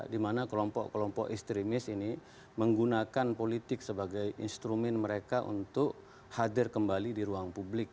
dimana kelompok kelompok ekstremis ini menggunakan politik sebagai instrumen mereka untuk hadir kembali di ruang publik